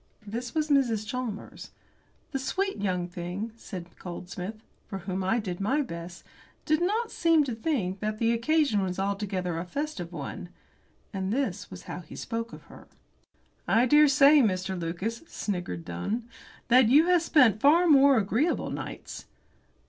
This was Mrs. Chalmers. "The sweet young thing," said Goldsmith, "for whom I did my best, did not seem to think that the occasion was altogether a festive one," and this was how he spoke of her. "I dare say, Mr. Lucas," sniggered Dunn, "that you have spent far more agreeable nights."